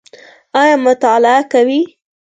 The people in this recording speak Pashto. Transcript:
ایا مطالعه کوئ؟